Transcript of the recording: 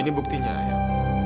ini buktinya ayah